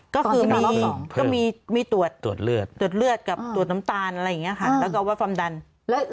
ก็คือมีมีตรวจตรวจเลือดกับตรวจน้ำตาลอะไรอย่างนี้ค่ะแล้วก็ว่าฟัมดันเพิ่มเพิ่ม